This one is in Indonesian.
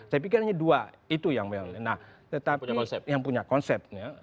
saya pikir hanya dua itu yang punya konsep